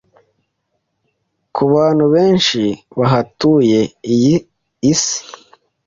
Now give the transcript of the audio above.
Ku bantu benshi bahatuye iyi isi